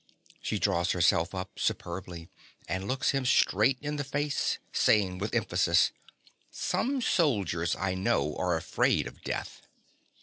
(She draws herself up superbly, and looks him straight in the face, saying with emphasis) Some soldiers, I know, are afraid of death.